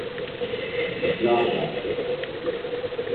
no hace falta.